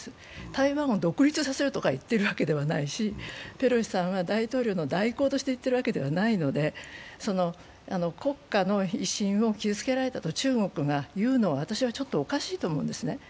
台湾を独立させるとか言っているわけではないし、ペロシさんは大統領のかわりに行っているわけではないので国家の威信を傷つけられたと中国が言うのは私は、ちょっとおかしいと思うんですね。